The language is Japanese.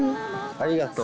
ありがとう。